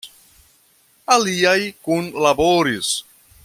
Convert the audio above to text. Aliaj kunlaboris.